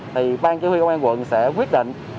thì bang chế huy công an quận sẽ quyết định